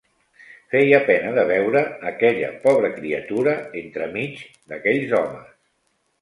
Feia pena de veure aquella pobra criatura entremig d'aquells homes.